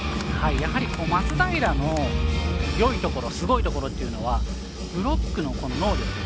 やはり松平のよいところすごいところっていうのはブロックの能力。